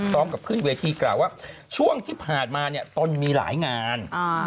พร้อมกับขึ้นเวทีกล่าวว่าช่วงที่ผ่านมาเนี่ยตนมีหลายงาน